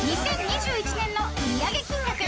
２０２１年の売上金額